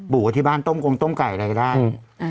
บอกว่าที่บ้านต้มกงต้มไก่อะไรก็ได้